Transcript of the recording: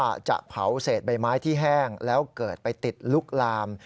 ว่าจะเผาเศษใบไม้ที่แห้งแล้วเกิดไปติดลุกลาม